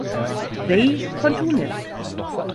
Bey von Tunis.